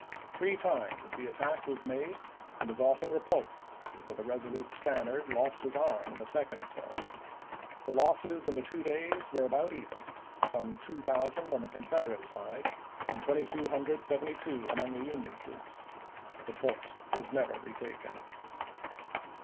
Three times the attack was made and as often repulsed, though the resolute Stannard lost his arm in the second assault. The losses in the two days were about even, some 2000 on the Confederate side and 2272 among the Union troops. The fort was never retaken.